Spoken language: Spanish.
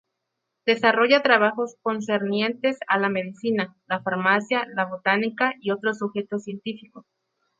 Desarrolla trabajos concernientes a la Medicina, la Farmacia, la Botánica y otros sujetos científicos.